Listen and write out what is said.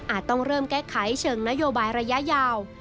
ต้องเริ่มแก้ไขเชิงนโยบายระยะยาว